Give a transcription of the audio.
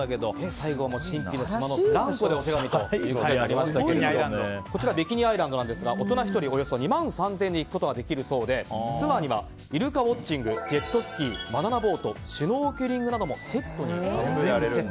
最高の島のブランコでお手紙というのがありましたがビキニアイランドですが大人１人およそ２万３０００円で行くことができるそうでツアーにはイルカウォッチングジェットスキー、バナナボートシュノーケリングなどもセットになっていると。